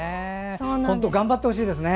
本当、頑張ってほしいですね。